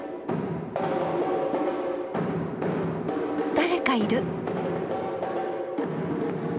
・誰かいる。